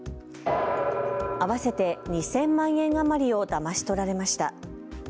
合わせて２０００万円余りをだまし取られました。